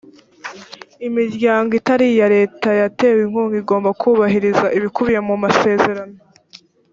imiryango itari iya leta yatewe inkunga igomba kubahiriza ibikubiye mu masezerano